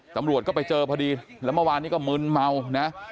ตำรวจก็ไปเจอพอดีแล้วเมื่อวานนี้ก็มึนเมานะ